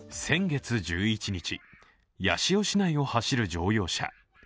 先月１１日、八潮市内を走る乗用車